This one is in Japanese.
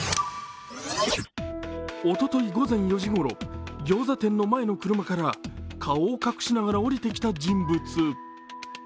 おととい午前４時ごろ、ギョーザ店の前の駐車場から顔を隠しながら降りてきた人物。